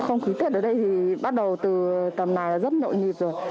không khí tết ở đây thì bắt đầu từ tầm này là rất nhộn nhịp rồi